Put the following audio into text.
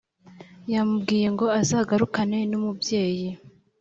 yamubwiye ngo azagarukane nu umubyeyi